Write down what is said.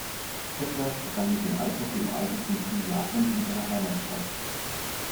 Zettler begann mit dem Eishockey im Alter von vier Jahren in seiner Heimatstadt.